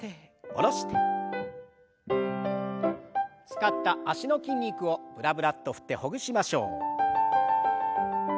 使った脚の筋肉をブラブラッと振ってほぐしましょう。